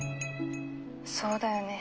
そうだよね